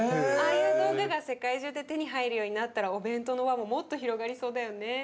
ああいう道具が世界中で手に入るようになったらお弁当の輪ももっと広がりそうだよね。